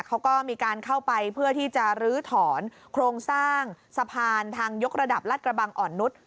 เขาก็มีการเข้าไปเพื่อที่จะลื้อถอนโครงสร้างสะพานทางยกระดับรัดกระบังอ่อนนุษย์